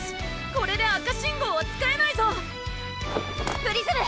これで赤信号は使えないぞプリズム！